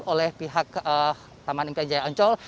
oleh pihak taman impian jaya ancol